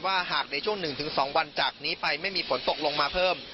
หากในช่วง๑๒วันจากนี้ไปไม่มีฝนตกลงมาเพิ่ม